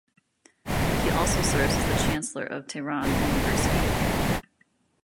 He also served as the Chancellor of Tehran University.